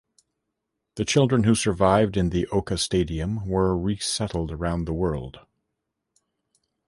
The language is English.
The children who survived in the oca stadium were resettled around the world.